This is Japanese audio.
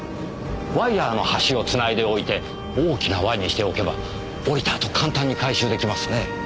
ワイヤーの端を繋いでおいて大きな輪にしておけば下りたあと簡単に回収出来ますね。